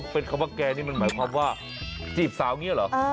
เป็นคำว่าแกนี่มันหมายความว่าจีบสาวอย่างนี้เหรอ